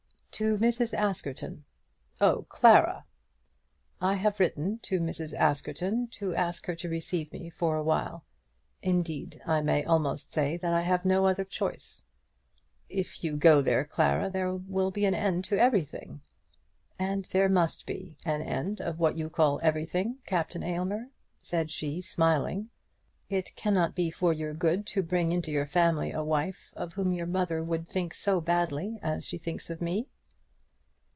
"To Mrs. Askerton." "Oh, Clara!" "I have written to Mrs. Askerton to ask her to receive me for awhile. Indeed, I may almost say that I had no other choice." "If you go there, Clara, there will be an end to everything." "And there must be an end of what you call everything, Captain Aylmer," said she, smiling. "It cannot be for your good to bring into your family a wife of whom your mother would think so badly as she thinks of me."